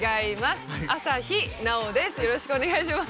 よろしくお願いします。